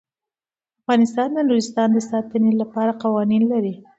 افغانستان د نورستان د ساتنې لپاره قوانین لري.